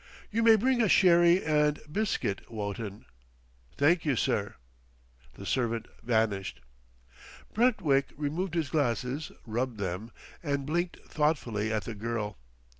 You may bring us sherry and biscuit, Wotton." "Thank you, sir." The servant vanished. Brentwick removed his glasses, rubbed them, and blinked thoughtfully at the girl.